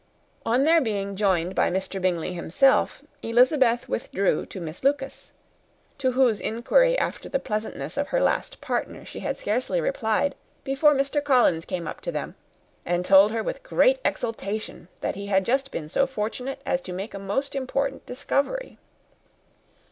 On their being joined by Mr. Bingley himself, Elizabeth withdrew to Miss Lucas; to whose inquiry after the pleasantness of her last partner she had scarcely replied, before Mr. Collins came up to them, and told her with great exultation, that he had just been so fortunate as to make a most important discovery.